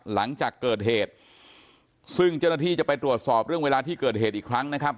หลังจากเกิดเหตุซึ่งเจ้าหน้าที่จะไปตรวจสอบเรื่องเวลาที่เกิดเหตุอีกครั้งนะครับ